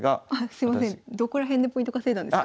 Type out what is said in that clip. すいませんどこら辺でポイント稼いだんですか？